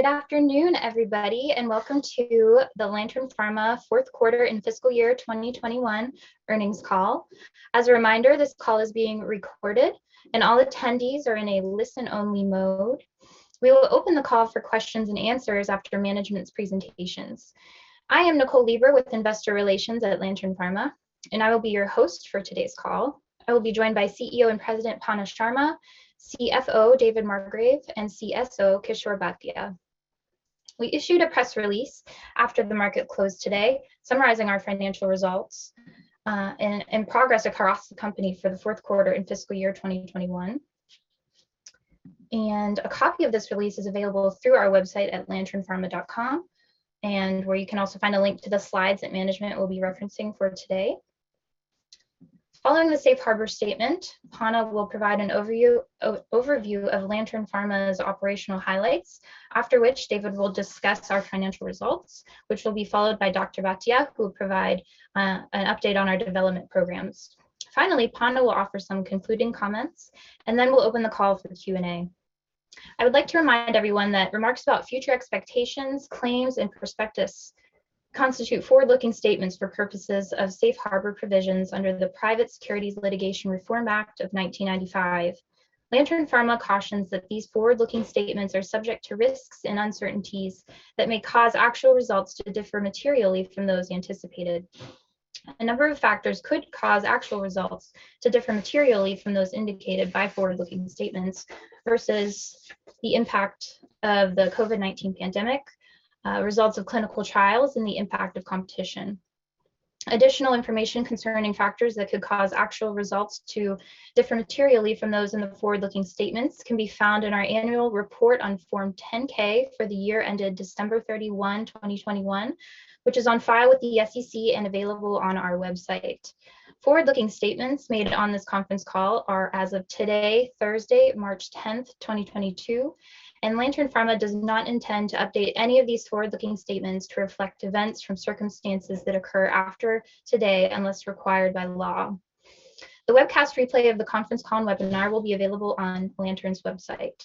Good afternoon, everybody, and welcome to the Lantern Pharma fourth quarter and fiscal year 2021 earnings call. As a reminder, this call is being recorded and all attendees are in a listen-only mode. We will open the call for questions and answers after management's presentations. I am Nicole Leber with Investor Relations at Lantern Pharma, and I will be your host for today's call. I will be joined by CEO and President, Panna Sharma, CFO, David Margrave, and CSO, Kishor Bhatia. We issued a press release after the market closed today summarizing our financial results and progress across the company for the fourth quarter and fiscal year 2021. A copy of this release is available through our website at lanternpharma.com, and where you can also find a link to the slides that management will be referencing for today. Following the safe harbor statement, Panna will provide an overview of Lantern Pharma's operational highlights. After which, David will discuss our financial results, which will be followed by Dr. Bhatia, who will provide an update on our development programs. Finally, Panna will offer some concluding comments, and then we'll open the call for the Q&A. I would like to remind everyone that remarks about future expectations, claims, and prospects constitute forward-looking statements for purposes of safe harbor provisions under the Private Securities Litigation Reform Act of 1995. Lantern Pharma cautions that these forward-looking statements are subject to risks and uncertainties that may cause actual results to differ materially from those anticipated. A number of factors could cause actual results to differ materially from those indicated by forward-looking statements such as the impact of the COVID-19 pandemic, results of clinical trials, and the impact of competition. Additional information concerning factors that could cause actual results to differ materially from those in the forward-looking statements can be found in our annual report on Form 10-K for the year ended December 31, 2021, which is on file with the SEC and available on our website. Forward-looking statements made on this conference call are as of today, Thursday, March 10, 2022, and Lantern Pharma does not intend to update any of these forward-looking statements to reflect events from circumstances that occur after today unless required by law. The webcast replay of the conference call and webinar will be available on Lantern's website.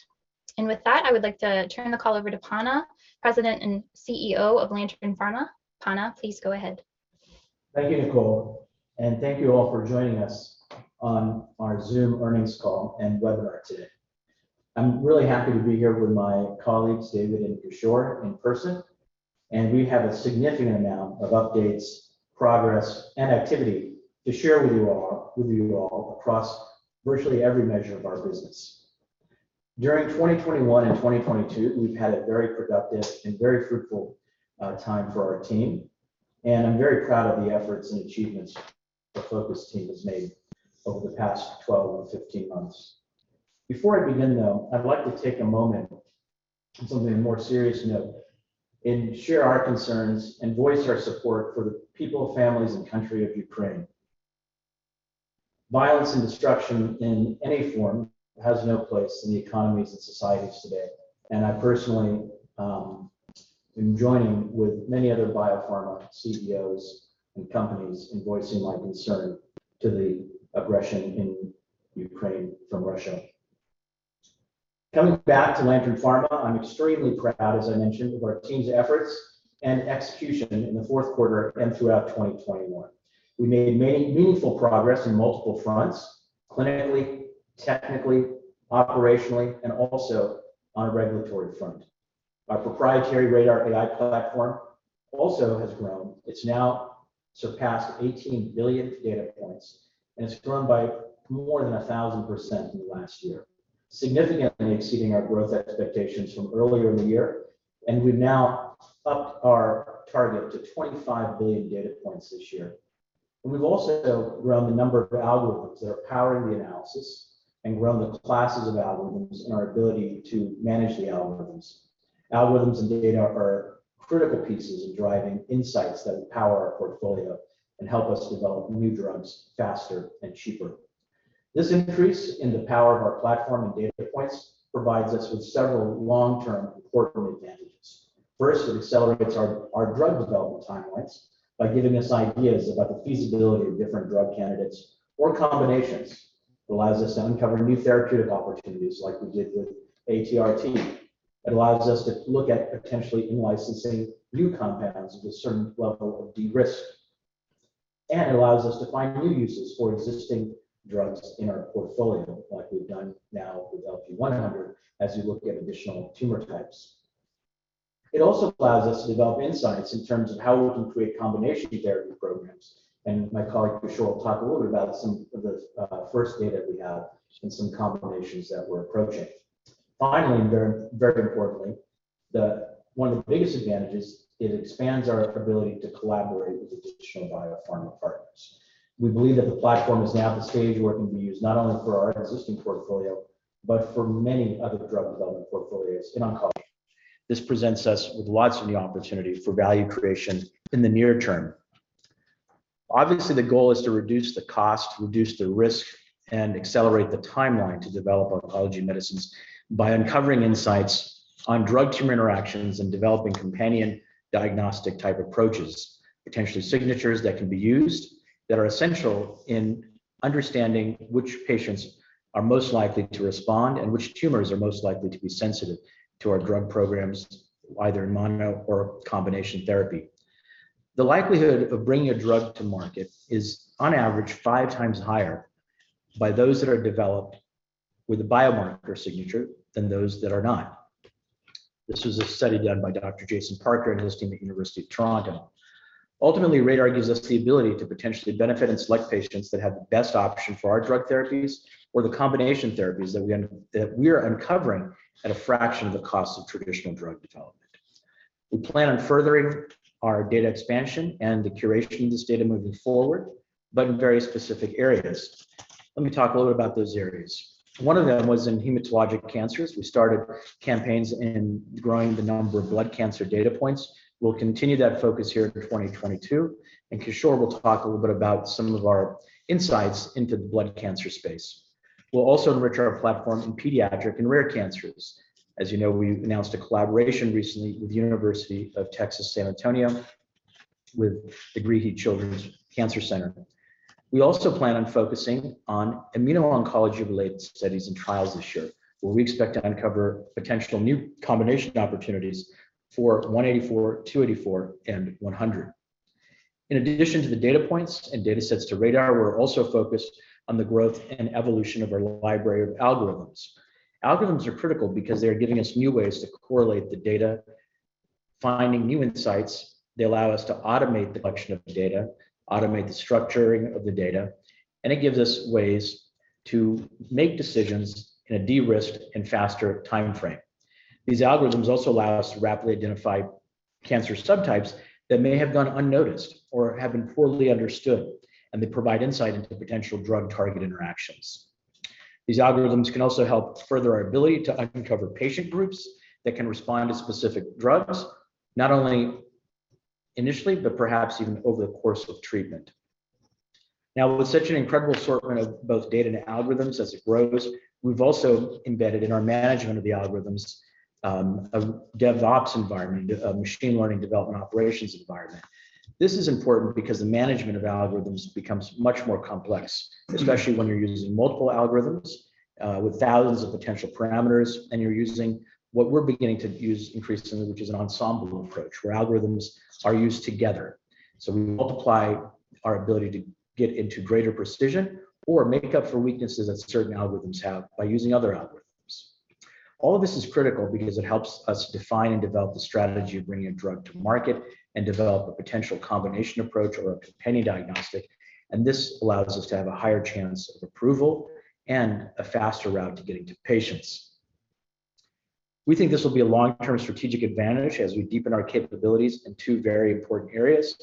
With that, I would like to turn the call over to Panna, President and CEO of Lantern Pharma. Panna, please go ahead. Thank you, Nicole, and thank you all for joining us on our Zoom earnings call and webinar today. I'm really happy to be here with my colleagues, David and Kishor, in person, and we have a significant amount of updates, progress, and activity to share with you all across virtually every measure of our business. During 2021 and 2022, we've had a very productive and very fruitful time for our team, and I'm very proud of the efforts and achievements the focus team has made over the past 12 to 15 months. Before I begin, though, I'd like to take a moment on a more serious note and share our concerns and voice our support for the people, families, and country of Ukraine. Violence and destruction in any form has no place in the economies and societies today, and I personally am joining with many other biopharma CEOs and companies in voicing my concern to the aggression in Ukraine from Russia. Coming back to Lantern Pharma, I'm extremely proud, as I mentioned, of our team's efforts and execution in the fourth quarter and throughout 2021. We made many meaningful progress in multiple fronts, clinically, technically, operationally, and also on a regulatory front. Our proprietary RADR AI platform also has grown. It's now surpassed 18 billion data points, and it's grown by more than 1,000% in the last year, significantly exceeding our growth expectations from earlier in the year. We've now upped our target to 25 billion data points this year. We've also grown the number of algorithms that are powering the analysis and grown the classes of algorithms and our ability to manage the algorithms. Algorithms and data are critical pieces in driving insights that power our portfolio and help us develop new drugs faster and cheaper. This increase in the power of our platform and data points provides us with several long-term important advantages. First, it accelerates our drug development timelines by giving us ideas about the feasibility of different drug candidates or combinations. It allows us to uncover new therapeutic opportunities like we did with ATRT. It allows us to look at potentially in-licensing new compounds with a certain level of de-risk. It allows us to find new uses for existing drugs in our portfolio like we've done now with LP-100 as we look at additional tumor types. It also allows us to develop insights in terms of how we can create combination therapy programs, and my colleague, Kishor, will talk a little bit about some of the first data we have and some combinations that we're approaching. Finally, and very, very importantly, one of the biggest advantages, it expands our ability to collaborate with additional biopharma partners. We believe that the platform is now at the stage where it can be used not only for our existing portfolio, but for many other drug development portfolios in oncology. This presents us with lots of new opportunities for value creation in the near term. Obviously, the goal is to reduce the cost, reduce the risk, and accelerate the timeline to develop oncology medicines by uncovering insights on drug-tumor interactions and developing companion diagnostic type approaches, potentially signatures that can be used that are essential in understanding which patients are most likely to respond and which tumors are most likely to be sensitive to our drug programs, either in mono or combination therapy. The likelihood of bringing a drug to market is on average 5x higher by those that are developed with a biomarker signature than those that are not. This was a study done by Dr. Jayson Parker and his team at University of Toronto. Ultimately, RADR gives us the ability to potentially benefit and select patients that have the best option for our drug therapies or the combination therapies that we are uncovering at a fraction of the cost of traditional drug development. We plan on furthering our data expansion and the curation of this data moving forward, but in very specific areas. Let me talk a little bit about those areas. One of them was in hematologic cancers. We started campaigns in growing the number of blood cancer data points. We'll continue that focus here through 2022, and Kishor will talk a little bit about some of our insights into the blood cancer space. We'll also enrich our platform in pediatric and rare cancers. As you know, we've announced a collaboration recently with the University of Texas Health Science Center at San Antonio with the Greehey Children's Cancer Research Institute. We also plan on focusing on immuno-oncology-related studies and trials this year, where we expect to uncover potential new combination opportunities for LP-184, LP-284, and LP-100. In addition to the data points and data sets to RADR, we're also focused on the growth and evolution of our library of algorithms. Algorithms are critical because they're giving us new ways to correlate the data, finding new insights. They allow us to automate the collection of data, automate the structuring of the data, and it gives us ways to make decisions in a de-risked and faster timeframe. These algorithms also allow us to rapidly identify cancer subtypes that may have gone unnoticed or have been poorly understood, and they provide insight into potential drug target interactions. These algorithms can also help further our ability to uncover patient groups that can respond to specific drugs, not only initially, but perhaps even over the course of treatment. Now, with such an incredible assortment of both data and algorithms as it grows, we've also embedded in our management of the algorithms, a DevOps environment, a machine learning development operations environment. This is important because the management of algorithms becomes much more complex, especially when you're using multiple algorithms, with thousands of potential parameters, and you're using what we're beginning to use increasingly, which is an ensemble approach, where algorithms are used together. We multiply our ability to get into greater precision or make up for weaknesses that certain algorithms have by using other algorithms. All of this is critical because it helps us define and develop the strategy of bringing a drug to market and develop a potential combination approach or a companion diagnostic, and this allows us to have a higher chance of approval and a faster route to getting to patients. We think this will be a long-term strategic advantage as we deepen our capabilities in two very important areas,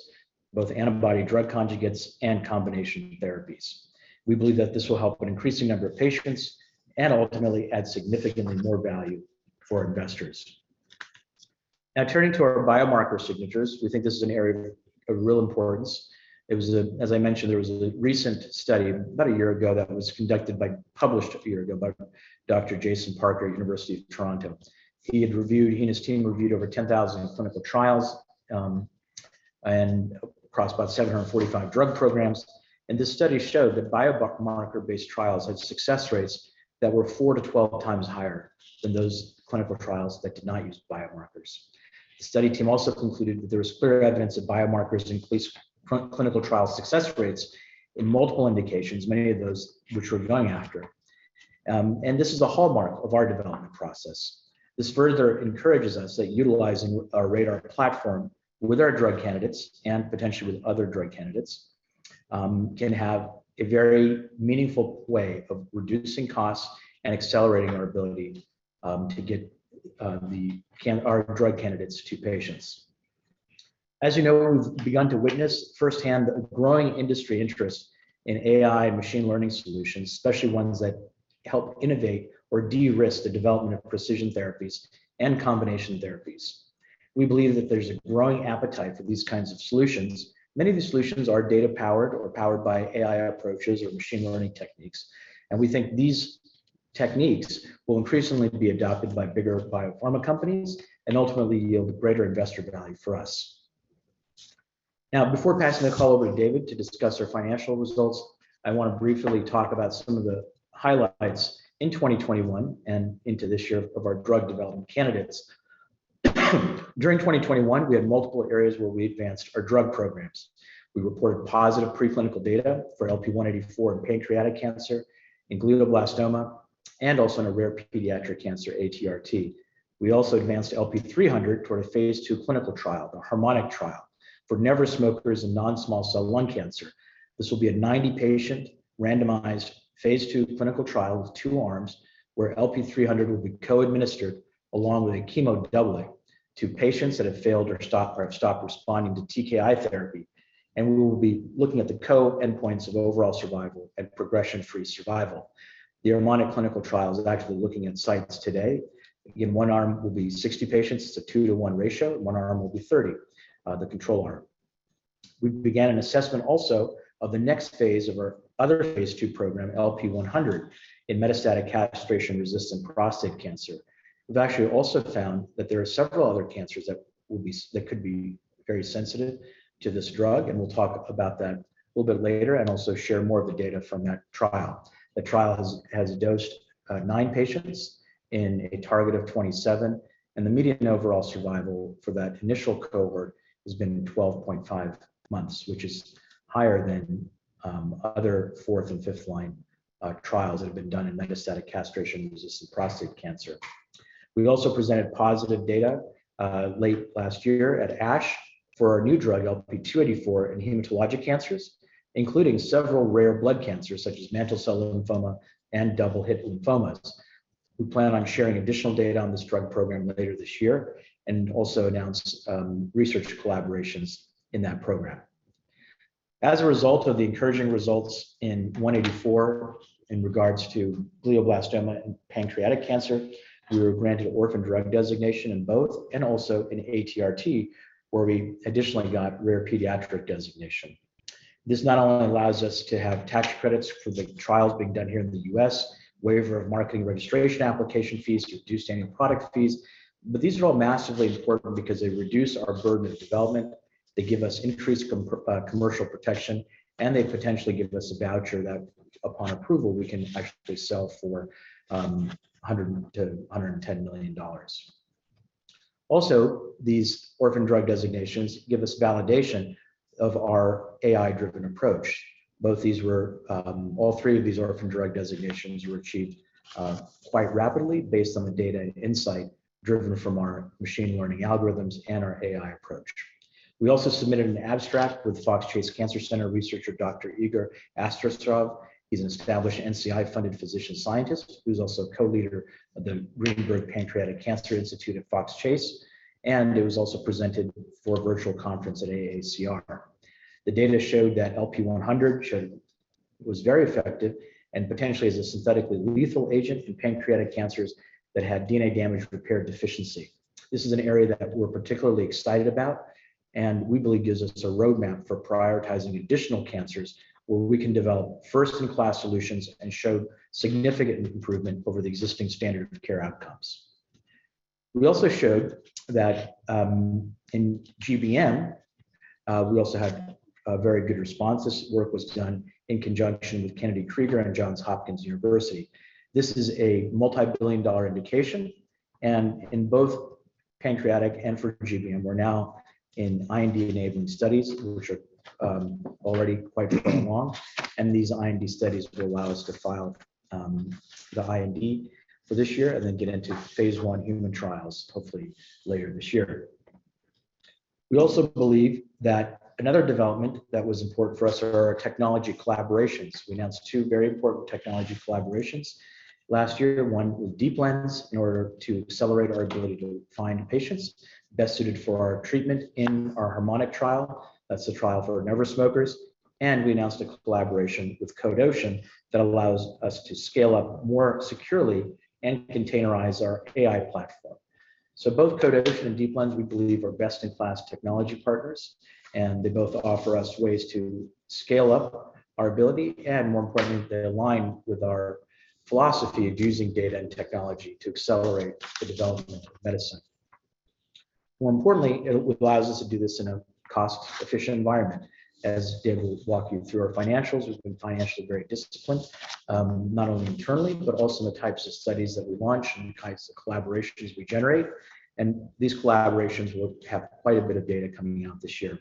both antibody drug conjugates and combination therapies. We believe that this will help an increasing number of patients and ultimately add significantly more value for investors. Now, turning to our biomarker signatures, we think this is an area of real importance. As I mentioned, there was a recent study about a year ago that was published a year ago by Dr. Jayson Parker at University of Toronto. He and his team reviewed over 10,000 clinical trials, and across about 745 drug programs. This study showed that biomarker-based trials had success rates that were 4-12x higher than those clinical trials that did not use biomarkers. The study team also concluded that there was clear evidence that biomarkers increased clinical trial success rates in multiple indications, many of those which we're going after. This is a hallmark of our development process. This further encourages us that utilizing our RADR platform with our drug candidates, and potentially with other drug candidates, can have a very meaningful way of reducing costs and accelerating our ability to get our drug candidates to patients. As you know, we've begun to witness firsthand the growing industry interest in AI and machine learning solutions, especially ones that help innovate or de-risk the development of precision therapies and combination therapies. We believe that there's a growing appetite for these kinds of solutions. Many of the solutions are data-powered or powered by AI approaches or machine learning techniques, and we think these techniques will increasingly be adopted by bigger biopharma companies and ultimately yield greater investor value for us. Now, before passing the call over to David to discuss our financial results, I want to briefly talk about some of the highlights in 2021 and into this year of our drug development candidates. During 2021, we had multiple areas where we advanced our drug programs. We reported positive preclinical data for LP-184 in pancreatic cancer, in glioblastoma, and also in a rare pediatric cancer, ATRT. We also advanced LP-300 toward a phase II clinical trial, the HARMONIC trial, for never smokers in non-small cell lung cancer. This will be a 90-patient randomized phase II clinical trial with two arms, where LP-300 will be co-administered along with a chemo doublet to patients that have failed or stopped responding to TKI therapy. We will be looking at the co-primary endpoints of overall survival and progression-free survival. The HARMONIC clinical trial is actually looking at sites today. Again, one arm will be 60 patients. It's a 2-to-1 ratio. One arm will be 30, the control arm. We began an assessment also of the next phase of our other phase II program, LP-100, in metastatic castration-resistant prostate cancer. We've actually also found that there are several other cancers that could be very sensitive to this drug, and we'll talk about that a little bit later and also share more of the data from that trial. The trial has dosed nine patients in a target of 27, and the median overall survival for that initial cohort has been 12.5 months, which is higher than other fourth and fifth line trials that have been done in metastatic castration-resistant prostate cancer. We also presented positive data late last year at ASH for our new drug, LP-284 in hematologic cancers, including several rare blood cancers such as mantle cell lymphoma and double-hit lymphomas. We plan on sharing additional data on this drug program later this year and also announce research collaborations in that program. As a result of the encouraging results in LP-184 in regards to glioblastoma and pancreatic cancer, we were granted orphan drug designation in both and also in ATRT, where we additionally got rare pediatric designation. This not only allows us to have tax credits for the trials being done here in the U.S., waiver of marketing registration application fees, reduced annual product fees, but these are all massively important because they reduce our burden of development, they give us increased commercial protection, and they potentially give us a voucher that, upon approval, we can actually sell for $100-$110 million. Also, these orphan drug designations give us validation of our AI-driven approach. All three of these orphan drug designations were achieved quite rapidly based on the data and insight driven from our machine learning algorithms and our AI approach. We also submitted an abstract with Fox Chase Cancer Center researcher Dr. Igor Astsaturov. He's an established NCI-funded physician-scientist who's also co-leader of the Greenberg Pancreatic Cancer Institute at Fox Chase, and it was also presented for a virtual conference at AACR. The data showed that LP-100 was very effective and potentially is a synthetically lethal agent in pancreatic cancers that had DNA damage repair deficiency. This is an area that we're particularly excited about and we believe gives us a roadmap for prioritizing additional cancers where we can develop first-in-class solutions and show significant improvement over the existing standard of care outcomes. We also showed that in GBM we also had very good responses. Work was done in conjunction with Kennedy Krieger Institute and Johns Hopkins University. This is a multi-billion dollar indication and in both pancreatic and for GBM, we're now in IND-enabling studies, which are already quite along. These IND studies will allow us to file the IND for this year and then get into phase I human trials hopefully later this year. We also believe that another development that was important for us are our technology collaborations. We announced two very important technology collaborations last year, one with Deep Lens in order to accelerate our ability to find patients best suited for our treatment in our HARMONIC trial. That's the trial for never-smokers. We announced a collaboration with Code Ocean that allows us to scale up more securely and containerize our AI platform. Both Code Ocean and Deep Lens, we believe, are best-in-class technology partners, and they both offer us ways to scale up our ability, and more importantly, they align with our philosophy of using data and technology to accelerate the development of medicine. More importantly, it allows us to do this in a cost-efficient environment. As Dave will walk you through our financials, we've been financially very disciplined, not only internally, but also in the types of studies that we launch and the types of collaborations we generate, and these collaborations will have quite a bit of data coming out this year.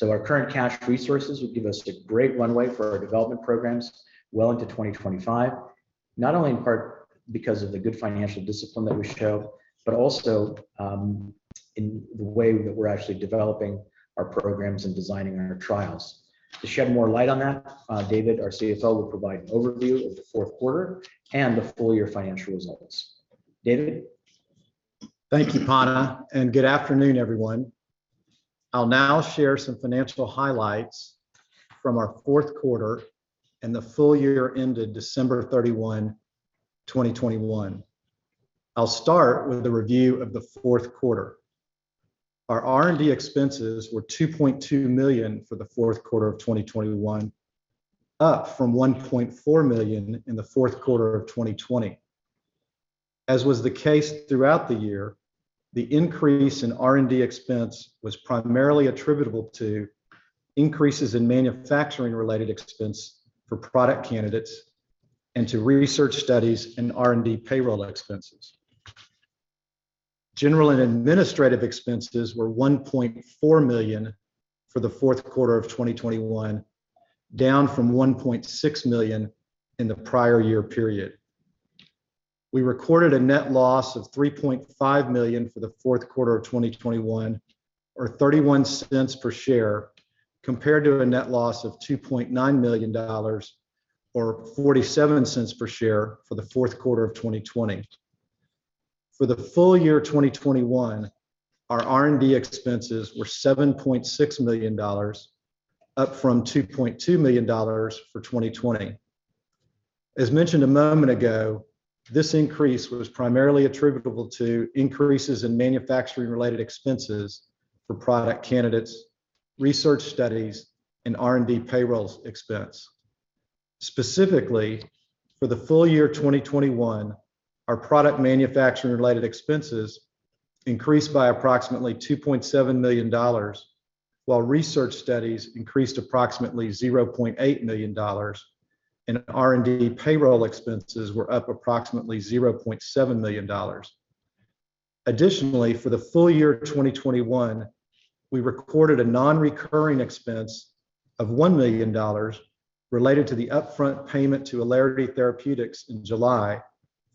Our current cash resources will give us a great runway for our development programs well into 2025, not only in part because of the good financial discipline that we showed, but also, in the way that we're actually developing our programs and designing our trials. To shed more light on that, David, our CFO, will provide an overview of the fourth quarter and the full-year financial results. David? Thank you, Panna, and good afternoon, everyone. I'll now share some financial highlights from our fourth quarter and the full year ended December 31, 2021. I'll start with the review of the fourth quarter. Our R&D expenses were $2.2 million for the fourth quarter of 2021, up from $1.4 million in the fourth quarter of 2020. As was the case throughout the year, the increase in R&D expense was primarily attributable to increases in manufacturing-related expense for product candidates and to research studies and R&D payroll expenses. General and administrative expenses were $1.4 million for the fourth quarter of 2021, down from $1.6 million in the prior year period. We recorded a net loss of $3.5 million for the fourth quarter of 2021, or $0.31 per share, compared to a net loss of $2.9 million, or $0.47 per share for the fourth quarter of 2020. For the full year 2021, our R&D expenses were $7.6 million, up from $2.2 million for 2020. As mentioned a moment ago, this increase was primarily attributable to increases in manufacturing-related expenses for product candidates, research studies, and R&D payrolls expense. Specifically for the full year 2021, our product manufacturing-related expenses increased by approximately $2.7 million, while research studies increased approximately $0.8 million, and R&D payroll expenses were up approximately $0.7 million. Additionally, for the full year 2021, we recorded a non-recurring expense of $1 million related to the upfront payment to Allarity Therapeutics in July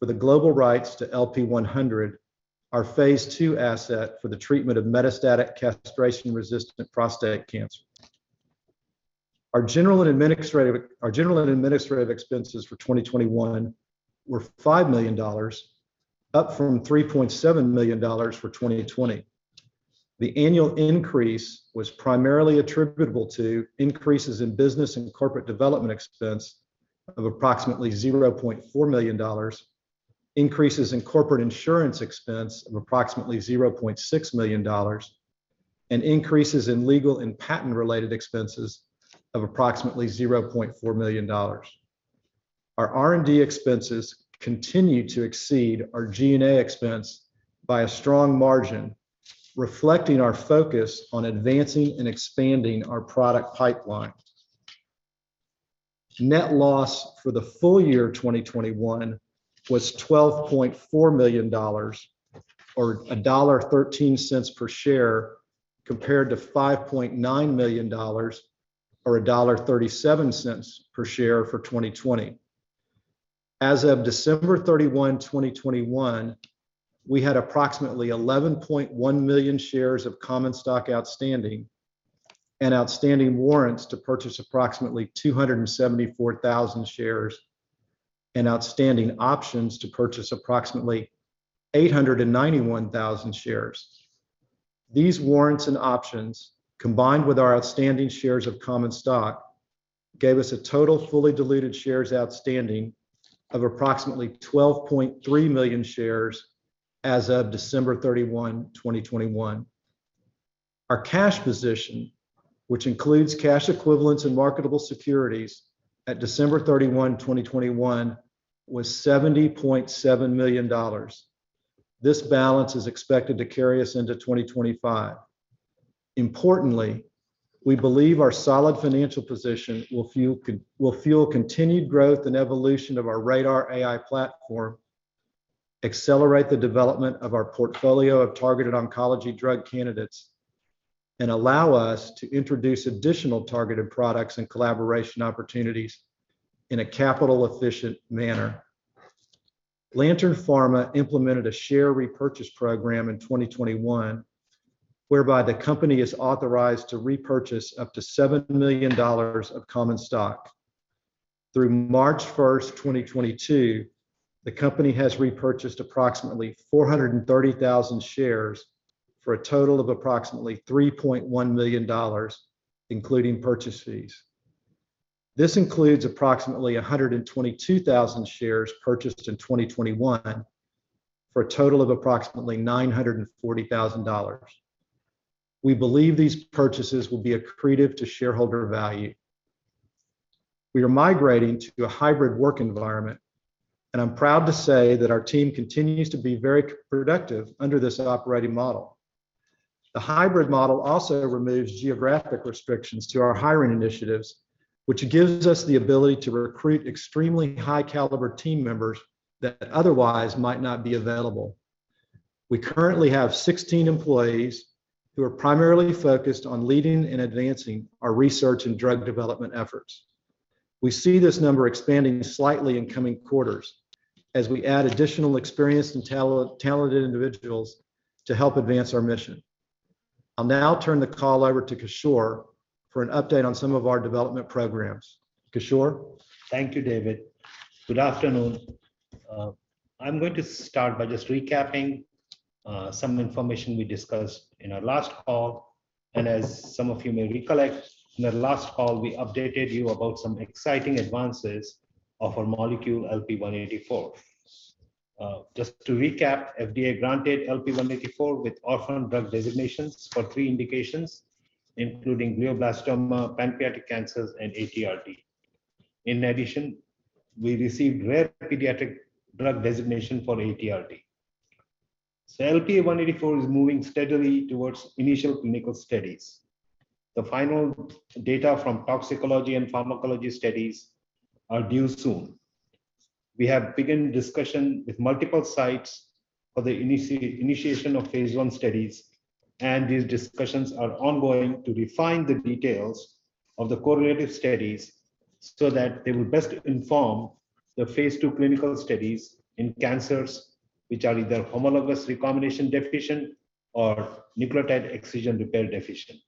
for the global rights to LP-100, our phase II asset for the treatment of metastatic castration-resistant prostate cancer. Our general and administrative expenses for 2021 were $5 million, up from $3.7 million for 2020. The annual increase was primarily attributable to increases in business and corporate development expense of approximately $0.4 million, increases in corporate insurance expense of approximately $0.6 million, and increases in legal and patent-related expenses of approximately $0.4 million. Our R&D expenses continue to exceed our G&A expense by a strong margin, reflecting our focus on advancing and expanding our product pipeline. Net loss for the full year 2021 was $12.4 million or $1.13 per share, compared to $5.9 million or $1.37 per share for 2020. As of December 31, 2021, we had approximately 11.1 million shares of common stock outstanding and outstanding warrants to purchase approximately 274,000 shares and outstanding options to purchase approximately 891,000 shares. These warrants and options, combined with our outstanding shares of common stock, gave us a total fully diluted shares outstanding of approximately 12.3 million shares as of December 31, 2021. Our cash position, which includes cash equivalents and marketable securities at December 31, 2021, was $70.7 million. This balance is expected to carry us into 2025. Importantly, we believe our solid financial position will fuel continued growth and evolution of our RADR AI platform, accelerate the development of our portfolio of targeted oncology drug candidates, and allow us to introduce additional targeted products and collaboration opportunities in a capital-efficient manner. Lantern Pharma implemented a share repurchase program in 2021, whereby the company is authorized to repurchase up to $7 million of common stock. Through March 1, 2022, the company has repurchased approximately 430,000 shares for a total of approximately $3.1 million, including purchase fees. This includes approximately 122,000 shares purchased in 2021 for a total of approximately $940,000. We believe these purchases will be accretive to shareholder value. We are migrating to a hybrid work environment, and I'm proud to say that our team continues to be very productive under this operating model. The hybrid model also removes geographic restrictions to our hiring initiatives, which gives us the ability to recruit extremely high-caliber team members that otherwise might not be available. We currently have 16 employees who are primarily focused on leading and advancing our research and drug development efforts. We see this number expanding slightly in coming quarters as we add additional experienced and talented individuals to help advance our mission. I'll now turn the call over to Kishor for an update on some of our development programs. Kishor? Thank you, David. Good afternoon. I'm going to start by just recapping some information we discussed in our last call. As some of you may recollect, in the last call we updated you about some exciting advances of our molecule LP-184. Just to recap, FDA granted LP-184 with orphan drug designations for three indications, including glioblastoma, pancreatic cancers, and ATRT. In addition, we received rare pediatric disease designation for ATRT. LP-184 is moving steadily towards initial clinical studies. The final data from toxicology and pharmacology studies are due soon. We have begun discussion with multiple sites for the initiation of phase I studies, and these discussions are ongoing to refine the details of the correlative studies so that they will best inform the phase II clinical studies in cancers which are either homologous recombination deficient or nucleotide excision repair deficient.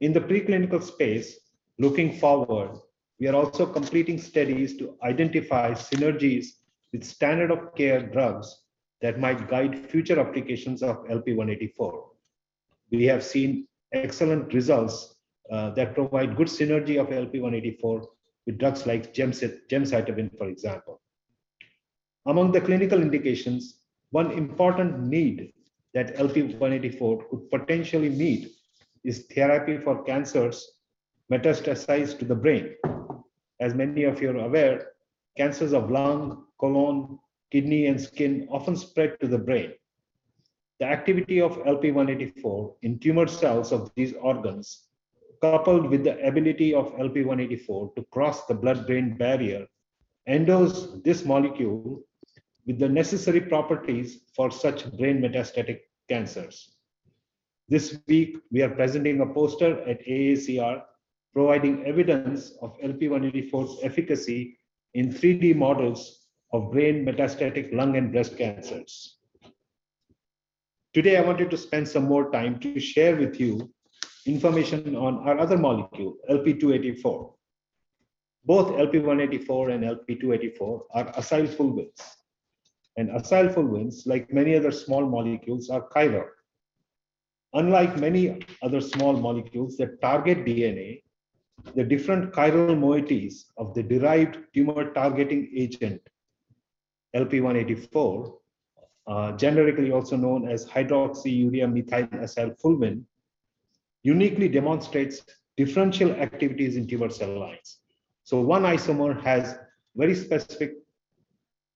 In the preclinical space, looking forward, we are also completing studies to identify synergies with standard of care drugs that might guide future applications of LP-184. We have seen excellent results that provide good synergy of LP-184 with drugs like gemcitabine, for example. Among the clinical indications, one important need that LP-184 could potentially meet is therapy for cancers metastasized to the brain. As many of you are aware, cancers of lung, colon, kidney, and skin often spread to the brain. The activity of LP-184 in tumor cells of these organs coupled with the ability of LP-184 to cross the blood-brain barrier endows this molecule with the necessary properties for such brain metastatic cancers. This week we are presenting a poster at AACR providing evidence of LP-184's efficacy in 3D models of brain metastatic lung and breast cancers. Today, I wanted to spend some more time to share with you information on our other molecule, LP-284. Both LP-184 and LP-284 are acylfulvenes, and acylfulvenes, like many other small molecules, are chiral. Unlike many other small molecules that target DNA, the different chiral moieties of the derived tumor-targeting agent, LP-184, generically also known as hydroxymethylacylfulvene, uniquely demonstrates differential activities in tumor cell lines. One isomer has very specific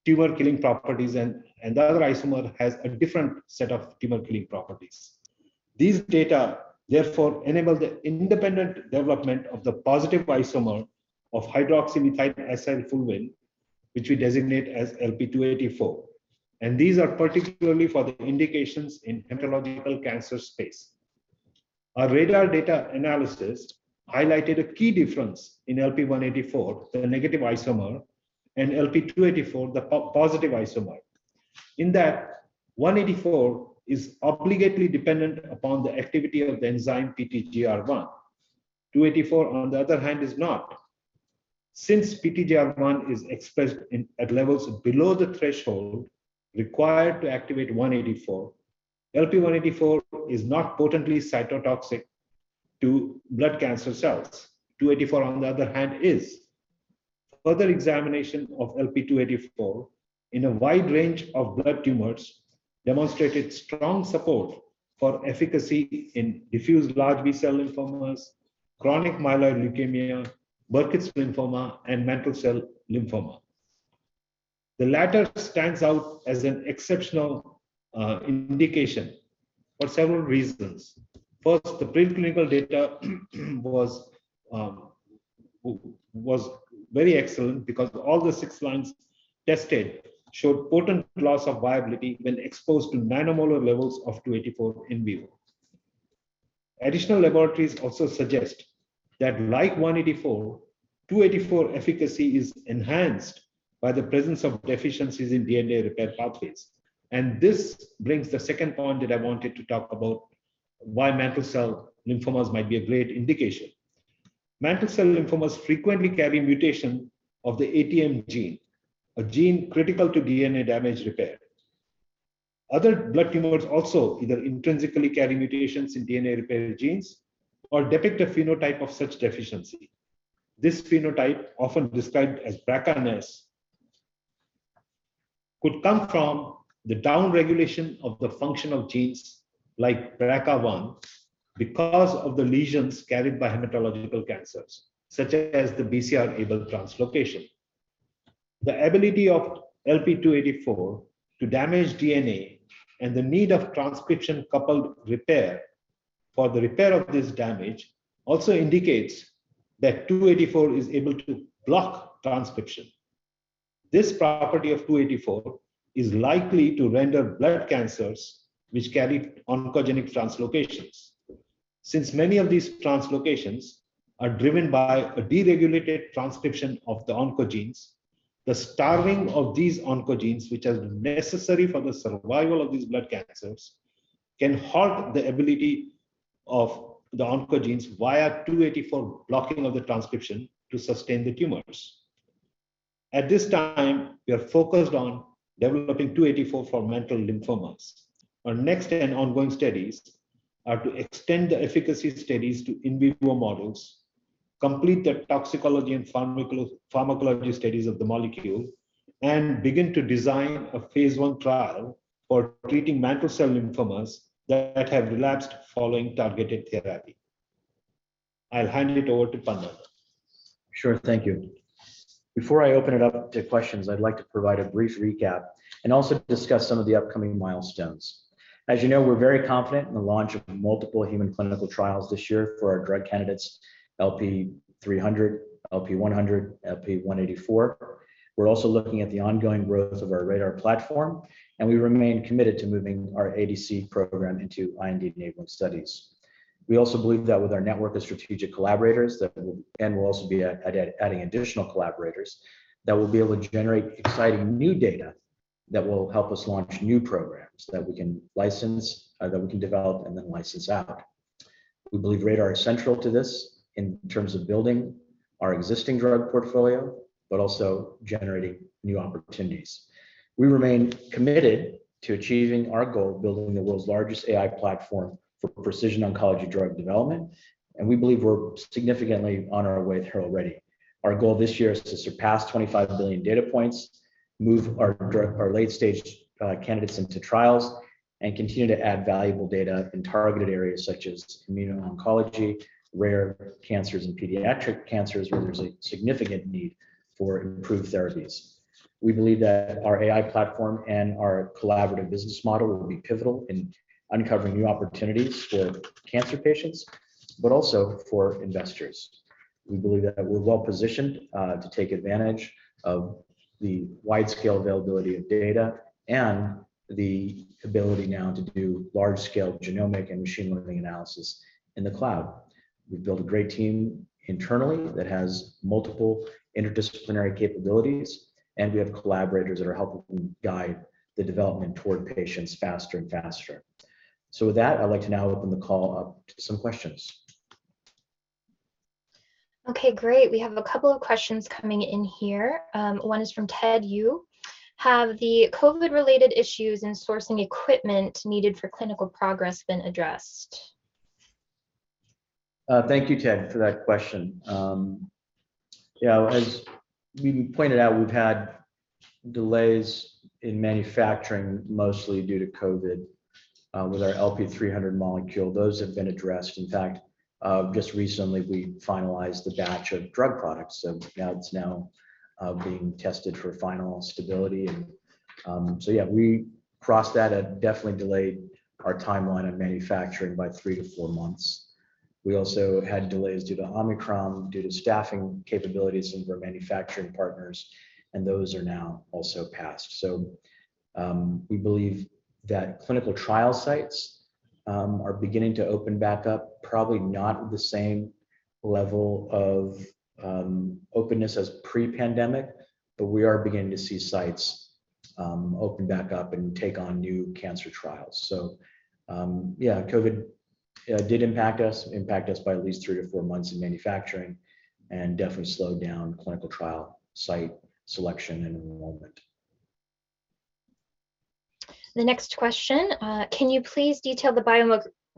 tumor-killing properties and the other isomer has a different set of tumor-killing properties. These data therefore enable the independent development of the positive isomer of hydroxymethylacylfulvene, which we designate as LP-284, and these are particularly for the indications in hematological cancer space. Our RADR data analysis highlighted a key difference in LP-184, the negative isomer, and LP-284, the positive isomer, in that 184 is obligately dependent upon the activity of the enzyme PTGR1. 284, on the other hand, is not. Since PTGR1 is expressed at levels below the threshold required to activate 184, LP-184 is not potently cytotoxic to blood cancer cells. 284, on the other hand, is. Further examination of LP-284 in a wide range of blood tumors demonstrated strong support for efficacy in diffuse large B-cell lymphomas, chronic myeloid leukemia, Burkitt lymphoma, and mantle cell lymphoma. The latter stands out as an exceptional indication for several reasons. First, the preclinical data was very excellent because all six lines tested showed potent loss of viability when exposed to nanomolar levels of 284 in vivo. Additional laboratories also suggest that like 184, 284 efficacy is enhanced by the presence of deficiencies in DNA repair pathways. This brings the second point that I wanted to talk about, why mantle cell lymphomas might be a great indication. Mantle cell lymphomas frequently carry mutation of the ATM gene, a gene critical to DNA damage repair. Other blood tumors also either intrinsically carry mutations in DNA repair genes or depict a phenotype of such deficiency. This phenotype, often described as BRCAness, could come from the downregulation of the functional genes like BRCA1 because of the lesions carried by hematological cancers such as the BCR-ABL translocation. The ability of LP-284 to damage DNA and the need of transcription-coupled repair for the repair of this damage also indicates that 284 is able to block transcription. This property of 284 is likely to render blood cancers which carry oncogenic translocations. Since many of these translocations are driven by a deregulated transcription of the oncogenes, the starving of these oncogenes, which are necessary for the survival of these blood cancers, can halt the ability of the oncogenes via 284 blocking of the transcription to sustain the tumors. At this time, we are focused on developing LP-284 for mantle cell lymphomas. Our next and ongoing studies are to extend the efficacy studies to in vivo models, complete the toxicology and pharmacology studies of the molecule, and begin to design a phase I trial for treating mantle cell lymphomas that have relapsed following targeted therapy. I'll hand it over to Panna. Sure. Thank you. Before I open it up to questions, I'd like to provide a brief recap and also discuss some of the upcoming milestones. As you know, we're very confident in the launch of multiple human clinical trials this year for our drug candidates, LP-300, LP-100, LP-184. We're also looking at the ongoing growth of our RADR platform, and we remain committed to moving our ADC program into IND-enabling studies. We also believe that with our network of strategic collaborators and we'll also be adding additional collaborators, that we'll be able to generate exciting new data that will help us launch new programs that we can license, that we can develop and then license out. We believe RADR is central to this in terms of building our existing drug portfolio but also generating new opportunities. We remain committed to achieving our goal of building the world's largest AI platform for precision oncology drug development, and we believe we're significantly on our way there already. Our goal this year is to surpass 25 billion data points, move our late-stage candidates into trials, and continue to add valuable data in targeted areas such as immuno-oncology, rare cancers and pediatric cancers where there's a significant need for improved therapies. We believe that our AI platform and our collaborative business model will be pivotal in uncovering new opportunities for cancer patients but also for investors. We believe that we're well-positioned to take advantage of the wide-scale availability of data and the ability now to do large-scale genomic and machine learning analysis in the cloud. We've built a great team internally that has multiple interdisciplinary capabilities, and we have collaborators that are helping guide the development toward patients faster and faster. With that, I'd like to now open the call up to some questions. Okay, great. We have a couple of questions coming in here. One is from Ted Yu. Have the COVID-related issues and sourcing equipment needed for clinical progress been addressed? Thank you, Ted, for that question. Yeah, as we pointed out, we've had delays in manufacturing, mostly due to COVID, with our LP-300 molecule. Those have been addressed. In fact, just recently we finalized a batch of drug products, so that's now being tested for final stability. Yeah, we crossed that. It definitely delayed our timeline of manufacturing by three to four months. We also had delays due to Omicron, due to staffing capabilities of our manufacturing partners, and those are now also passed. We believe that clinical trial sites are beginning to open back up, probably not the same level of openness as pre-pandemic, but we are beginning to see sites open back up and take on new cancer trials. COVID did impact us by at least three to four months in manufacturing and definitely slowed down clinical trial site selection and enrollment. The next question: Can you please detail the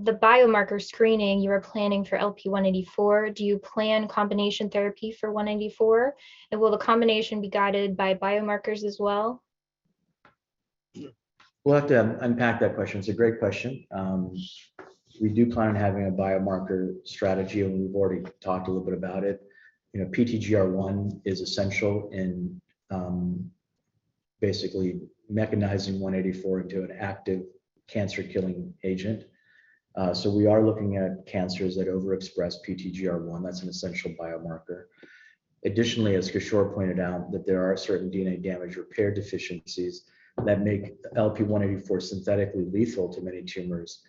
biomarker screening you are planning for LP-184? Do you plan combination therapy for LP-184? Will the combination be guided by biomarkers as well? We'll have to unpack that question. It's a great question. We do plan on having a biomarker strategy, and we've already talked a little bit about it. You know, PTGR1 is essential in basically metabolizing 184 into an active cancer-killing agent. So we are looking at cancers that overexpress PTGR1. That's an essential biomarker. Additionally, as Kishor pointed out, that there are certain DNA damage repair deficiencies that make LP-184 synthetically lethal to many tumors.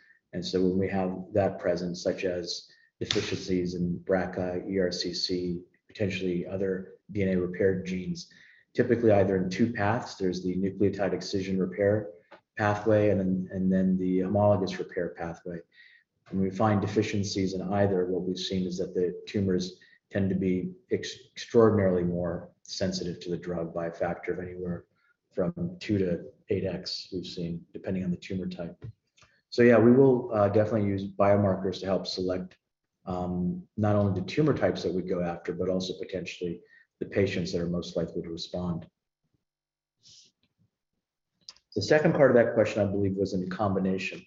When we have that presence, such as deficiencies in BRCA, ERCC, potentially other DNA repair genes, typically either in two paths, there's the nucleotide excision repair pathway and then the homologous repair pathway. When we find deficiencies in either, what we've seen is that the tumors tend to be extraordinarily more sensitive to the drug by a factor of anywhere from 2-8x, we've seen, depending on the tumor type. Yeah, we will definitely use biomarkers to help select not only the tumor types that we go after, but also potentially the patients that are most likely to respond. The second part of that question, I believe, was in combination.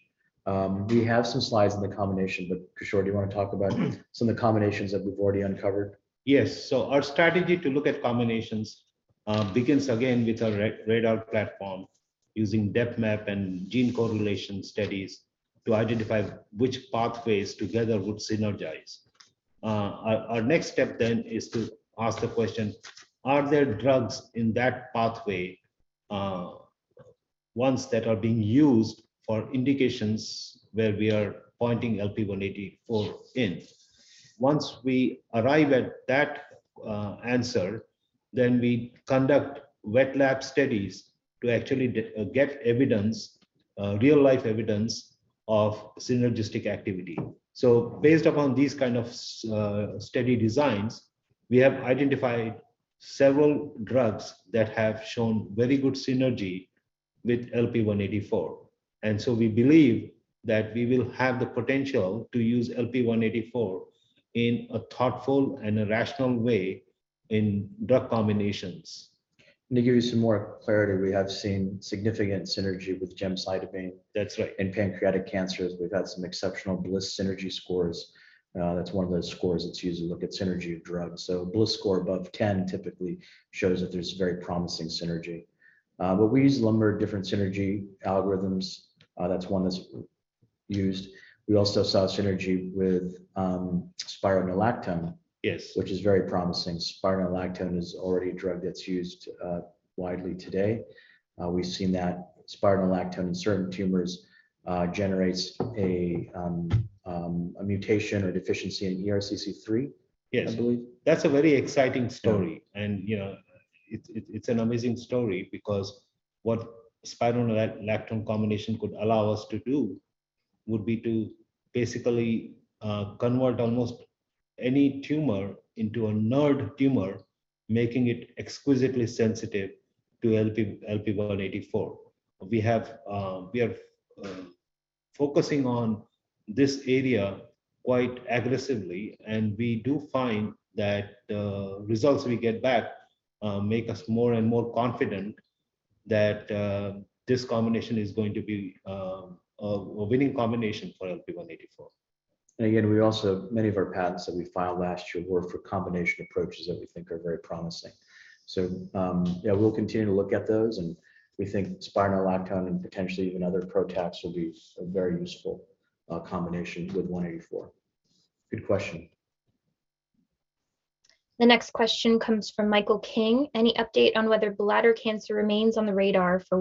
We have some slides on the combination, but Kishor, do you want to talk about some of the combinations that we've already uncovered? Yes. Our strategy to look at combinations begins again with our RADR platform using DepMap and gene correlation studies to identify which pathways together would synergize. Our next step then is to ask the question, are there drugs in that pathway, ones that are being used for indications where we are pointing LP-184 in? Once we arrive at that answer, then we conduct wet lab studies to actually get evidence, real-life evidence of synergistic activity. Based upon these kind of study designs, we have identified several drugs that have shown very good synergy with LP-184, and we believe that we will have the potential to use LP-184 in a thoughtful and a rational way in drug combinations. To give you some more clarity, we have seen significant synergy with gemcitabine That's right. ...in pancreatic cancers. We've had some exceptional Bliss synergy scores. That's one of those scores that's used to look at synergy of drugs. A Bliss score above 10 typically shows that there's very promising synergy. But we use a number of different synergy algorithms. That's one that's used. We also saw synergy with spironolactone which is very promising. Spironolactone is already a drug that's used widely today. We've seen that spironolactone in certain tumors generates a mutation or deficiency in ERCC3- Yes I believe. That's a very exciting story. Yeah. You know, it's an amazing story because what spironolactone combination could allow us to do would be to basically convert almost any tumor into a NER-deficient tumor, making it exquisitely sensitive to LP-184. We are focusing on this area quite aggressively, and we do find that the results we get back make us more and more confident that this combination is going to be a winning combination for LP-184. Again, we also, many of our patents that we filed last year were for combination approaches that we think are very promising. Yeah, we'll continue to look at those, and we think spironolactone and potentially even other PROTACs will be a very useful combination with LP-184. Good question. The next question comes from Michael King. Any update on whether bladder cancer remains on the RADR for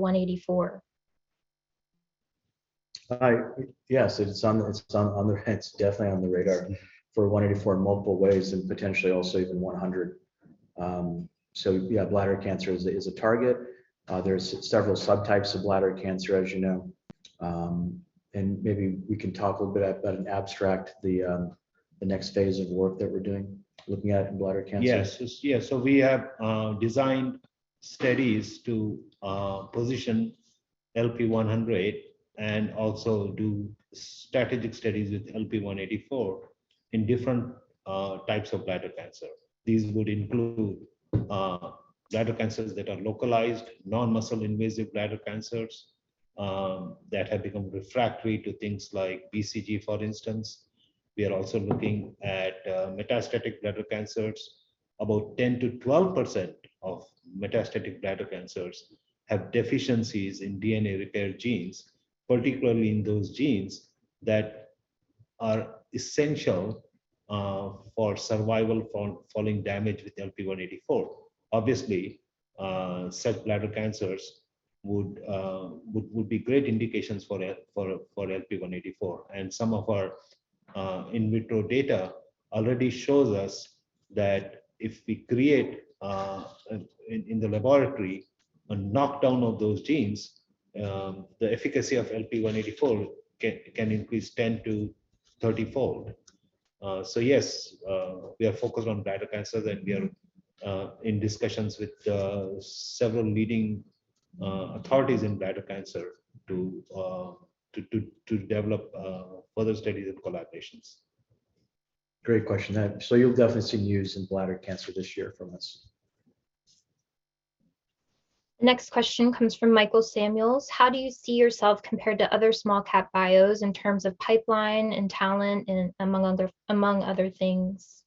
LP-184? Yes, it's on the RADR for LP-184 in multiple ways, and potentially also even LP-100. Yeah, bladder cancer is a target. There's several subtypes of bladder cancer, as you know. Maybe we can talk a little bit about in the abstract the next phase of work that we're doing, looking into bladder cancer. Yes. We have designed studies to position LP-100 and also do strategic studies with LP-184 in different types of bladder cancer. These would include bladder cancers that are localized, non-muscle invasive bladder cancers that have become refractory to things like BCG, for instance. We are also looking at metastatic bladder cancers. About 10%-12% of metastatic bladder cancers have deficiencies in DNA repair genes, particularly in those genes that are essential for survival following damage with LP-184. Obviously, said bladder cancers would be great indications for LP-184. Some of our in vitro data already shows us that if we create in the laboratory a knockdown of those genes, the efficacy of LP-184 can increase 10- to 30-fold. Yes, we are focused on bladder cancers, and we are in discussions with several leading authorities in bladder cancer to develop further studies and collaborations. Great question. You'll definitely see news in bladder cancer this year from us. Next question comes from Michael Samuels. How do you see yourself compared to other small-cap biotechs in terms of pipeline and talent, and among other things?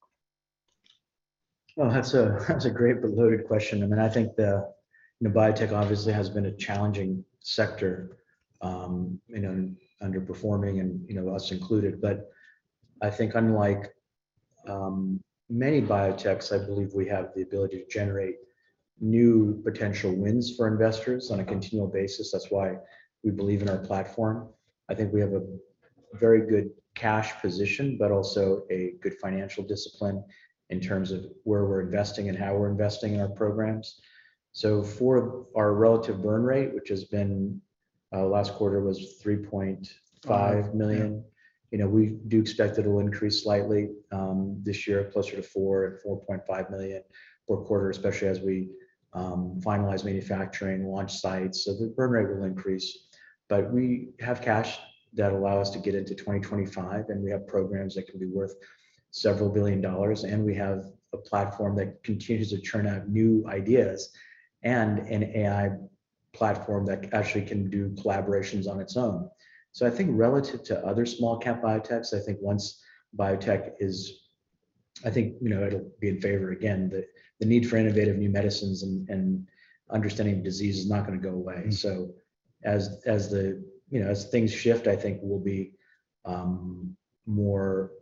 Well, that's a great but loaded question. I mean, I think the, you know, biotech obviously has been a challenging sector, you know, underperforming and, you know, us included. I think unlike many biotechs, I believe we have the ability to generate new potential wins for investors on a continual basis. That's why we believe in our platform. I think we have a very good cash position, but also a good financial discipline in terms of where we're investing and how we're investing in our programs. For our relative burn rate, which has been, last quarter was $3.5 million. Five, yeah. You know, we do expect it'll increase slightly, this year, closer to $4-$4.5 million per quarter, especially as we finalize manufacturing, launch sites. The burn rate will increase. We have cash that allow us to get into 2025, and we have programs that can be worth $several billion, and we have a platform that continues to churn out new ideas and an AI platform that actually can do collaborations on its own. I think relative to other small-cap biotechs, you know, it'll be in favor again. The need for innovative new medicines and understanding disease is not gonna go away. Mm-hmm. You know, as things shift, I think we'll be more.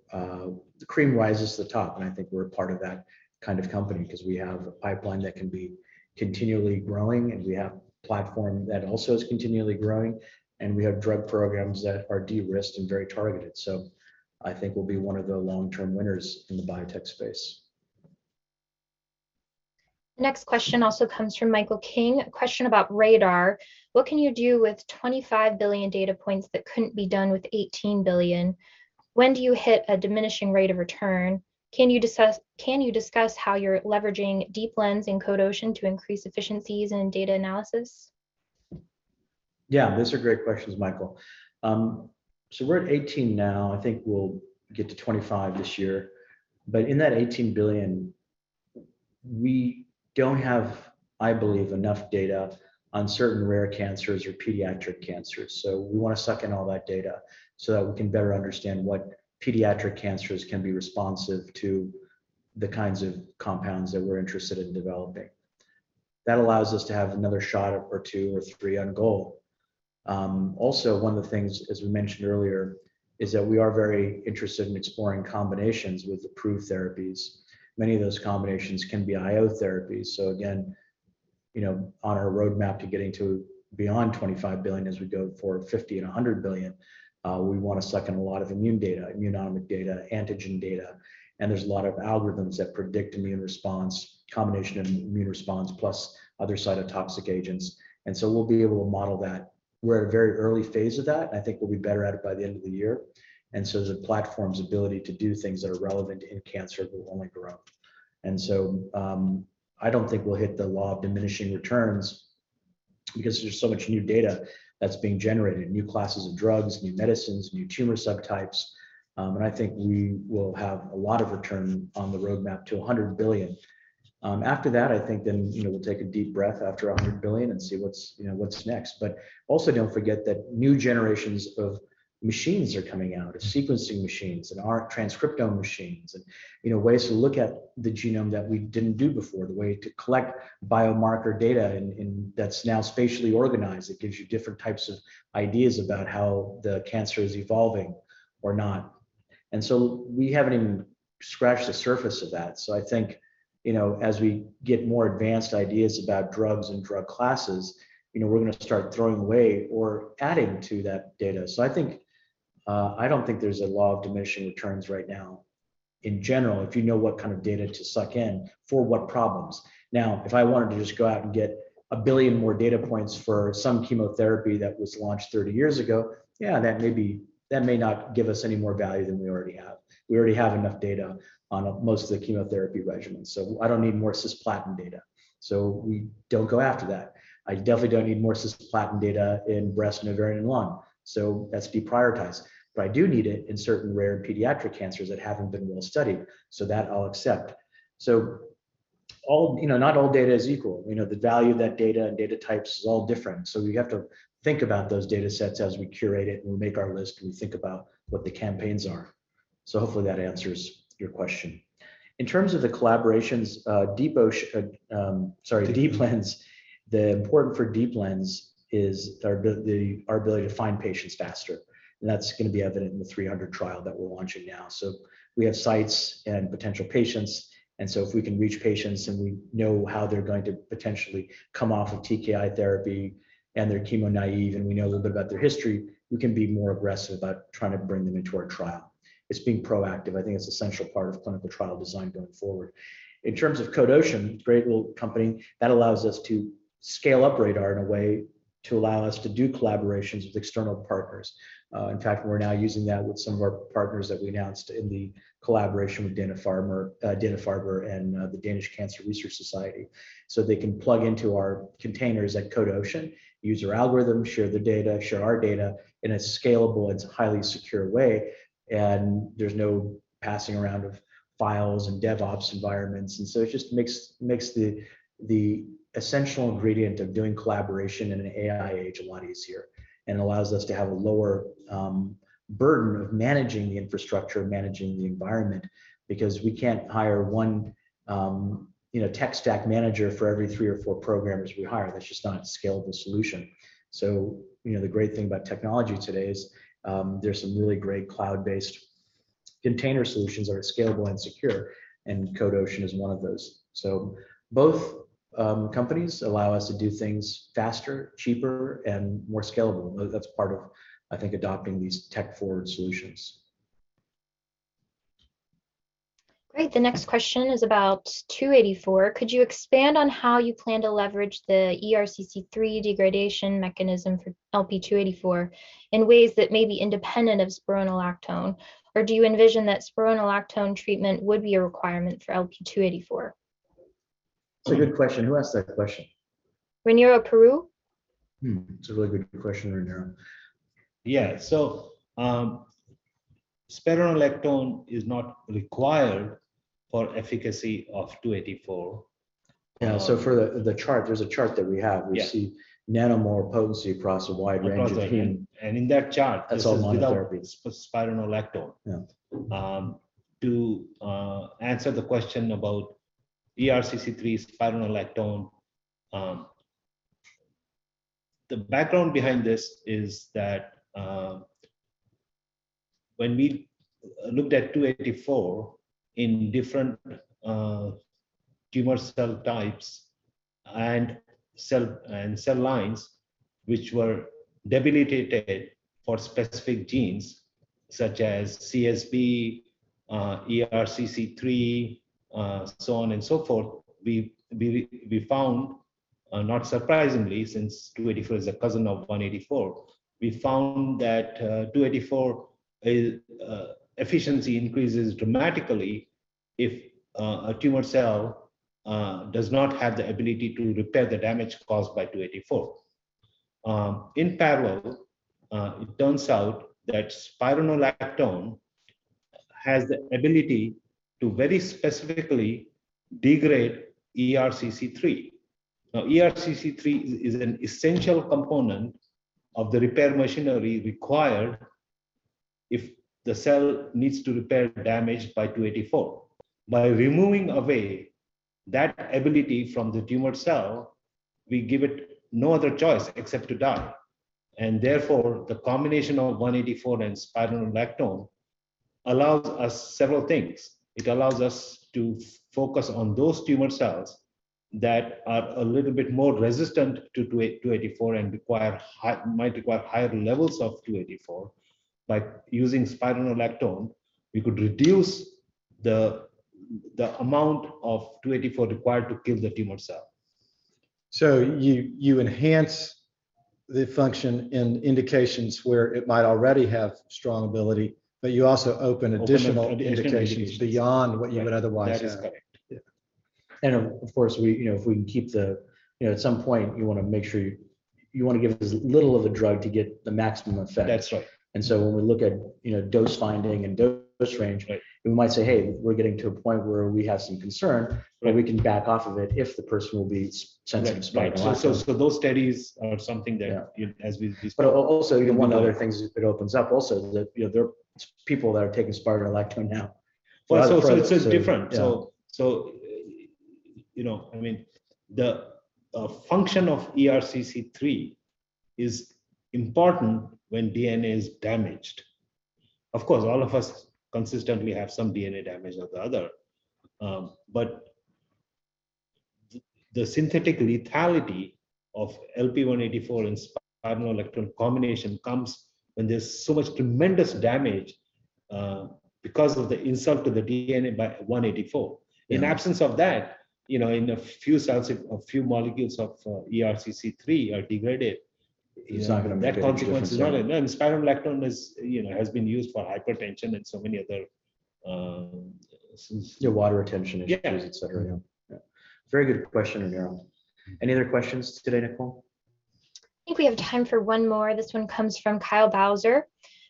The cream rises to the top, and I think we're a part of that kind of company 'cause we have a pipeline that can be continually growing, and we have a platform that also is continually growing, and we have drug programs that are de-risked and very targeted. I think we'll be one of the long-term winners in the biotech space. Next question also comes from Michael King. A question about RADR. What can you do with 25 billion data points that couldn't be done with 18 billion? When do you hit a diminishing rate of return? Can you discuss how you're leveraging Deep Lens and Code Ocean to increase efficiencies in data analysis? Yeah, those are great questions, Michael. We're at 18 now. I think we'll get to 25 this year. In that 18 billion, we don't have, I believe, enough data on certain rare cancers or pediatric cancers. We wanna suck in all that data so that we can better understand what pediatric cancers can be responsive to the kinds of compounds that we're interested in developing. That allows us to have another shot or two or three on goal. Also one of the things, as we mentioned earlier, is that we are very interested in exploring combinations with approved therapies. Many of those combinations can be IO therapies. Again, you know, on our roadmap to getting to beyond 25 billion as we go for 50 and 100 billion, we want to suck in a lot of immune data, immunomic data, antigen data. There's a lot of algorithms that predict immune response, combination immune response plus other cytotoxic agents. We'll be able to model that. We're at a very early phase of that, and I think we'll be better at it by the end of the year. The platform's ability to do things that are relevant in cancer will only grow. I don't think we'll hit the law of diminishing returns because there's so much new data that's being generated, new classes of drugs, new medicines, new tumor subtypes. I think we will have a lot of return on the roadmap to $100 billion. After that, I think then, you know, we'll take a deep breath after $100 billion and see what's, you know, what's next. Don't forget that new generations of machines are coming out, sequencing machines and our transcriptome machines, and, you know, ways to look at the genome that we didn't do before, the way to collect biomarker data that's now spatially organized. It gives you different types of ideas about how the cancer is evolving or not. We haven't even scratched the surface of that. I think, you know, as we get more advanced ideas about drugs and drug classes, you know, we're gonna start throwing away or adding to that data. I think I don't think there's a law of diminishing returns right now in general, if you know what kind of data to suck in for what problems. Now, if I wanted to just go out and get 1 billion more data points for some chemotherapy that was launched 30 years ago, yeah, that may not give us any more value than we already have. We already have enough data on most of the chemotherapy regimens, so I don't need more cisplatin data. We don't go after that. I definitely don't need more cisplatin data in breast and ovarian and lung, so that's deprioritized. I do need it in certain rare pediatric cancers that haven't been well-studied, so that I'll accept. You know, not all data is equal. You know, the value of that data and data types is all different. We have to think about those datasets as we curate it, and we make our list, and we think about what the campaigns are. Hopefully that answers your question. In terms of the collaborations, DeepLens, the important for DeepLens is our ability to find patients faster. That's gonna be evident in the 300 trial that we're launching now. We have sites and potential patients, and if we can reach patients, and we know how they're going to potentially come off of TKI therapy, and they're chemo-naive, and we know a little bit about their history, we can be more aggressive about trying to bring them into our trial. It's being proactive. I think it's an essential part of clinical trial design going forward. In terms of Code Ocean, great little company, that allows us to scale up RADR in a way to allow us to do collaborations with external partners. In fact, we're now using that with some of our partners that we announced in the collaboration with Dana-Farber and the Danish Cancer Society. They can plug into our containers at Code Ocean, use our algorithm, share their data, share our data in a scalable and highly secure way. There's no passing around of files and DevOps environments. It just makes the essential ingredient of doing collaboration in an AI age a lot easier and allows us to have a lower burden of managing the infrastructure, managing the environment because we can't hire one you know, tech stack manager for every three or four programmers we hire. That's just not a scalable solution. You know, the great thing about technology today is there's some really great cloud-based container solutions that are scalable and secure, and Code Ocean is one of those. Both companies allow us to do things faster, cheaper, and more scalable. That's part of, I think, adopting these tech-forward solutions. Great. The next question is about LP-284. Could you expand on how you plan to leverage the ERCC3 degradation mechanism for LP-284 in ways that may be independent of spironolactone? Or do you envision that spironolactone treatment would be a requirement for LP-284? That's a good question. Who asked that question? Raniera Peru. That's a really good question, Raniera. Yeah. Spironolactone is not required for efficacy of LP-284. Yeah. For the chart, there's a chart that we have. Yeah. We see nanomolar potency across a wide range of. Across the, and in that chart- That's all monotherapies. It's without spironolactone. Yeah. To answer the question about ERCC3 spironolactone, the background behind this is that, when we looked at LP-284 in different tumor cell types and cell lines which were debilitated for specific genes such as CSB, ERCC3, so on and so forth, we found, not surprisingly, since LP-284 is a cousin of LP-184, we found that LP-284 efficiency increases dramatically if a tumor cell does not have the ability to repair the damage caused by LP-284. In parallel, it turns out that spironolactone has the ability to very specifically degrade ERCC3. Now, ERCC3 is an essential component of the repair machinery required if the cell needs to repair damage by LP-284. By removing away that ability from the tumor cell, we give it no other choice except to die. Therefore, the combination of LP-184 and spironolactone allows us several things. It allows us to focus on those tumor cells that are a little bit more resistant to LP-284 and might require higher levels of LP-284. By using spironolactone, we could reduce the amount of LP-284 required to kill the tumor cell. You enhance the function in indications where it might already have strong ability, but you also open additional Open additional indications indications beyond what you would otherwise have. That is correct. Yeah. Of course, we, you know, if we can keep the, you know, at some point you wanna make sure you wanna give as little of a drug to get the maximum effect. That's right. When we look at, you know, dose finding and dose range. Right We might say, hey, we're getting to a point where we have some concern, we can back off of it if the person will be Right. ...sensitive to spironolactone. Those studies are something that. Yeah You know, as we speak. Also, one other things it opens up also that, you know, there are people that are taking spironolactone now for other products. Yeah. It's different. Function of ERCC3 is important when DNA is damaged. Of course, all of us consistently have some DNA damage or the other, but the synthetic lethality of LP-184 and spironolactone combination comes when there's so much tremendous damage, because of the insult to the DNA by LP-184. Yeah. In absence of that, you know, in a few cells, if a few molecules of ERCC3 are degraded. It's not gonna make a big difference at all. spironolactone is, you know, has been used for hypertension and so many other Yeah, water retention issues. Yeah Et cetera. Yeah. Very good question, Raniera. Any other questions today, Nicole? I think we have time for one more. This one comes from Kyle Bowser.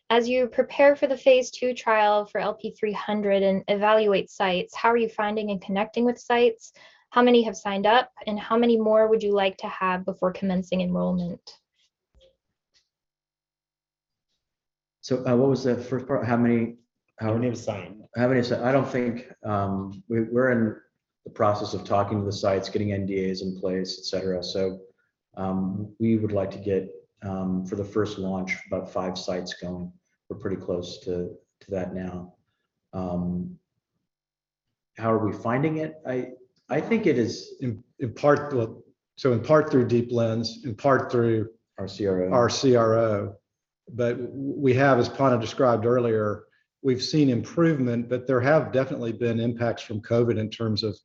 As you prepare for the phase II trial for LP-300 and evaluate sites, how are you finding and connecting with sites? How many have signed up, and how many more would you like to have before commencing enrollment? What was the first part? How many- How many have signed? How many have signed? I don't think. We're in the process of talking to the sites, getting NDAs in place, et cetera. We would like to get, for the first launch, about five sites going. We're pretty close to that now. How are we finding it? I think it is in part through Deep Lens, in part through Our CRO, our CRO. We have, as Panna described earlier, we've seen improvement, but there have definitely been impacts from COVID in terms of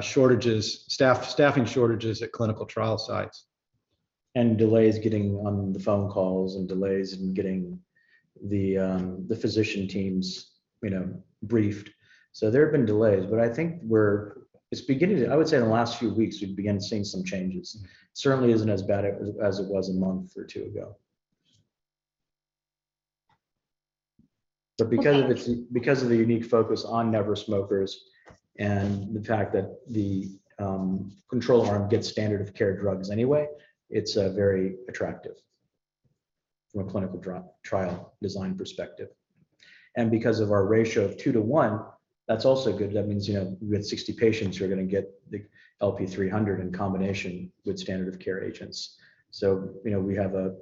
shortages, staff, staffing shortages at clinical trial sites. Delays getting on the phone calls and delays in getting the physician teams, you know, briefed. There have been delays, but I would say in the last few weeks, we've began seeing some changes. It certainly isn't as bad as it was a month or two ago. Okay. Because of its unique focus on never-smokers and the fact that the control arm gets standard of care drugs anyway, it's very attractive from a clinical trial design perspective. Because of our ratio of 2:1, that's also good. That means, you know, we get 60 patients who are gonna get the LP-300 in combination with standard of care agents. You know, we have a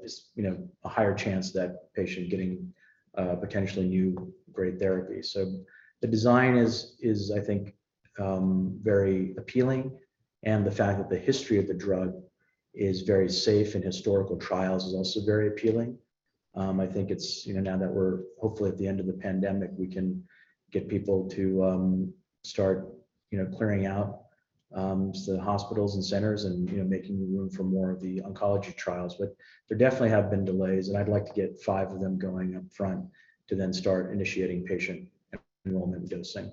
higher chance of that patient getting a potentially new great therapy. The design is, I think, very appealing, and the fact that the history of the drug is very safe in historical trials is also very appealing. I think it's, you know, now that we're hopefully at the end of the pandemic, we can get people to start, you know, clearing out the hospitals and centers and, you know, making room for more of the oncology trials. But there definitely have been delays, and I'd like to get five of them going up front to then start initiating patient enrollment and dosing.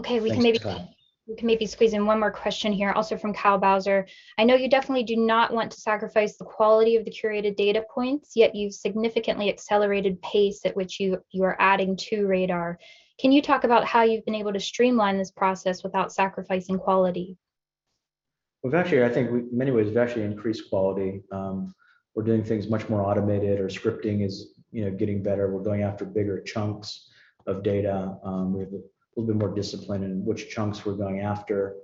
Okay. Thanks, Kyle. We can maybe squeeze in one more question here, also from Kyle Bowser. I know you definitely do not want to sacrifice the quality of the curated data points, yet you've significantly accelerated pace at which you are adding to RADR. Can you talk about how you've been able to streamline this process without sacrificing quality? We've actually, I think, in many ways, we've actually increased quality. We're doing things much more automated. Our scripting is, you know, getting better. We're going after bigger chunks of data. We have a little bit more discipline in which chunks we're going after.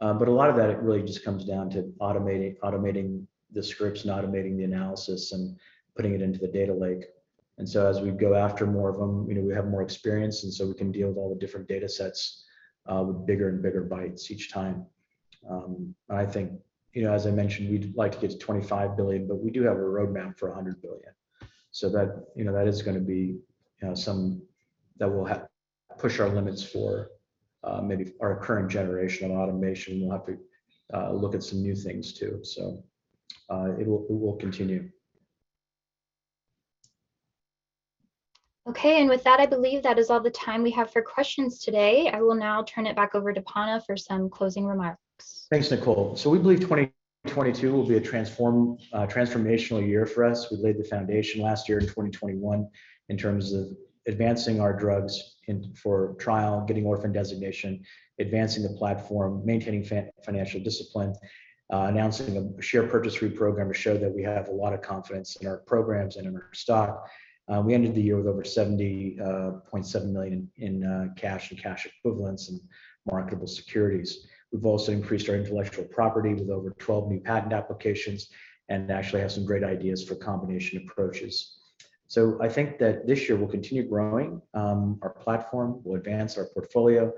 But a lot of that, it really just comes down to automating the scripts and automating the analysis and putting it into the data lake. As we go after more of them, you know, we have more experience, and we can deal with all the different data sets with bigger and bigger bites each time. I think, you know, as I mentioned, we'd like to get to 25 billion, but we do have a roadmap for 100 billion. That, you know, that is gonna be, you know, some that we'll push our limits for, maybe our current generation of automation. We'll have to look at some new things too. It will continue. Okay. With that, I believe that is all the time we have for questions today. I will now turn it back over to Panna for some closing remarks. Thanks, Nicole. We believe 2022 will be a transformational year for us. We laid the foundation last year in 2021 in terms of advancing our drugs for trial, getting orphan designation, advancing the platform, maintaining financial discipline, announcing a share repurchase program to show that we have a lot of confidence in our programs and in our stock. We ended the year with over $70.7 million in cash and cash equivalents and marketable securities. We've also increased our intellectual property with over 12 new patent applications and actually have some great ideas for combination approaches. I think that this year we'll continue growing. Our platform will advance our portfolio,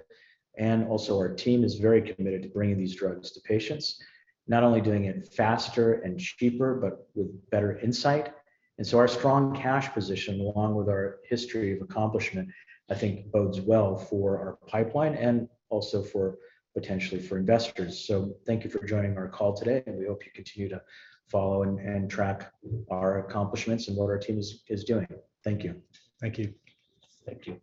and also our team is very committed to bringing these drugs to patients, not only doing it faster and cheaper, but with better insight. Our strong cash position, along with our history of accomplishment, I think bodes well for our pipeline and also for, potentially for investors. Thank you for joining our call today, and we hope you continue to follow and track our accomplishments and what our team is doing. Thank you. Thank you. Thank you.